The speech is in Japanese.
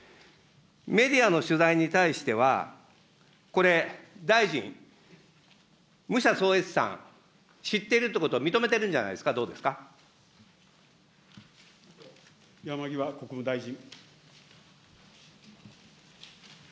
メディアの取材に対しては、これ、大臣、むしゃそうえつさん、知っているということは、認めてるん山際国務大臣。